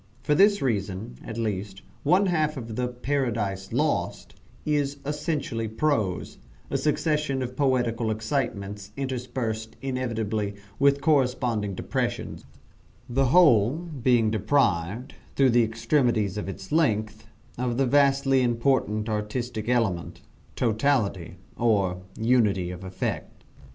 For this reason, at least, one half of the "Paradise Lost" is essentially prose a succession of poetical excitements interspersed, inevitably, with corresponding depressions the whole being deprived, through the extremeness of its length, of the vastly important artistic element, totality, or unity of effect.